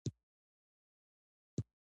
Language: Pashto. هغه د ګلونه پر څنډه ساکت ولاړ او فکر وکړ.